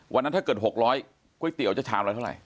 วันนั้นถ้าเกิด๖๐๐ก๋วยเตี๋ยวจะชาวร้ายเท่าไหร่